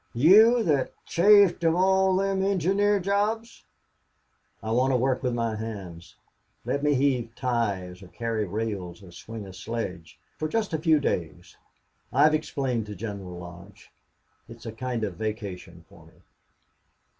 You that's chafe of all thim engineer jobs?" "I want to work with my hands. Let me heave ties or carry rails or swing a sledge for just a few days. I've explained to General Lodge. It's a kind of vacation for me."